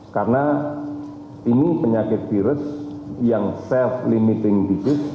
karena ini penyakit virus yang self limiting disease